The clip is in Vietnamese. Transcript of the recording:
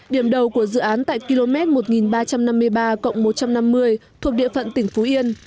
điểm đầu của dự án tại km một nghìn ba trăm năm mươi ba một trăm năm mươi thuộc địa phận tỉnh phú yên